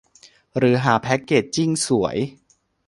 หรือหาแพ็กเกจจิ้งสวย